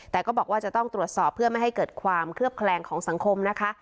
แต่ก็บอกว่าจะต้องตรวจสอบเพื่อไม่ให้เกิดความเคลือบแคลงของสังคมนะคะ